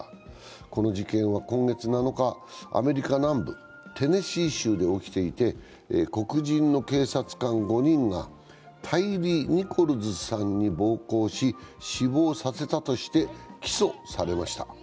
この事件は今月７日、アメリカ南部テネシー州で起きていて黒人の警察官５人が、タイリー・ニコルズさんに暴行し、死亡させたとして起訴されました。